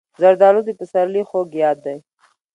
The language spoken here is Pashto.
زردالو د پسرلي خوږ یاد دی.